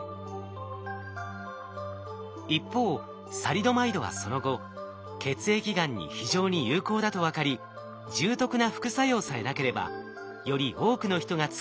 一方サリドマイドはその後血液がんに非常に有効だと分かり重篤な副作用さえなければより多くの人が使える薬になると期待されています。